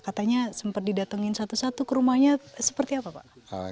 katanya sempat didatengin satu satu ke rumahnya seperti apa pak